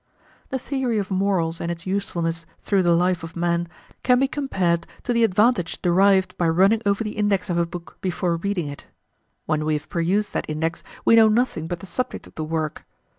The theory of morals and its usefulness through the life of man can be compared to the advantage derived by running over the index of a book before reading it when we have perused that index we know nothing but the subject of the work.